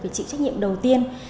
về trị trách nhiệm đầu tiên